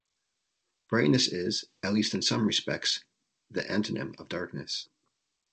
Brightness is, at least in some respects, the antonym of darkness.